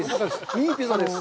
いいピザです。